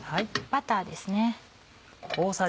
バターですね。